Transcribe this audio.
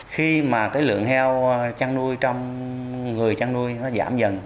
khi mà cái lượng heo chăn nuôi trong người chăn nuôi nó giảm dần